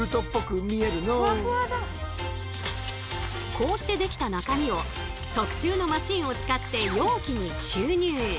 こうしてできた中身を特注のマシンを使って容器に注入。